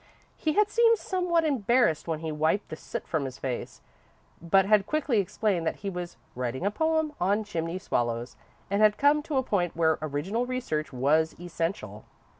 He had seemed somewhat embarrassed when he wiped the soot from his face, but had quickly explained that he was writing a poem on chimney swallows and had come to a point where original research was essential.